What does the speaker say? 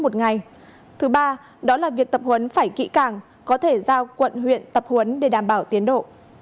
một ngày thứ ba đó là việc tập huấn phải kỹ càng có thể giao quận huyện tập huấn để đảm bảo tiến độ